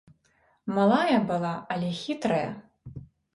Малая была, але хітрая.